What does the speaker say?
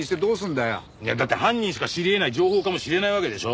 いやだって犯人しか知り得ない情報かもしれないわけでしょ。